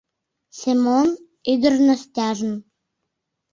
Семон ӱдыр Настяжын